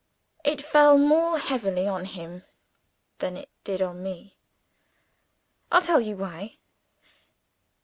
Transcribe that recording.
It fell more heavily on him than it did on me. I'll tell you why.